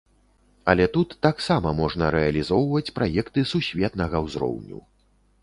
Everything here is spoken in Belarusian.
Але тут таксама можна рэалізоўваць праекты сусветнага ўзроўню.